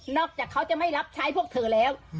จากเขาจะไม่รับใช้พวกเธอแล้ว